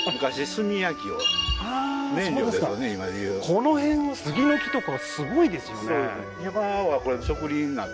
この辺は杉の木とかがすごいですよね